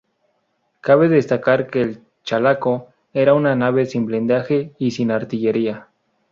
Cabe destacar que el "Chalaco" era una nave sin blindaje y sin artillería.